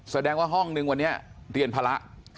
แสดงว่าห้องนึงวันนี้เรียนภาระ